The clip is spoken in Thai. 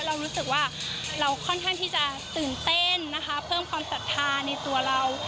เรารู้สึกว่าเราค่อนข้างที่จะตื่นเต้นนะคะเพิ่มความศรัทธาในตัวเรา